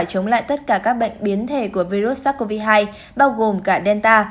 chống lại tất cả các bệnh biến thể của virus sars cov hai bao gồm cả delta